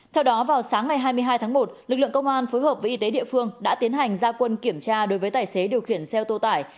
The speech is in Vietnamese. theo đó vào sáng ngày hai mươi hai tháng một lực lượng công an phối hợp với y tế địa phương đã tiến hành gia quân kiểm tra đối với tài xế điều khiển xe ô tô tải